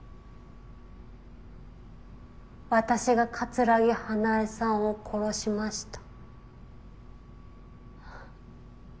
私が木花恵さんを殺しました。